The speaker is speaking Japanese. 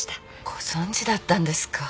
ご存じだったんですか。